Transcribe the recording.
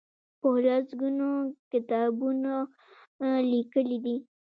په لس ګونو کتابونه لیکلي دي.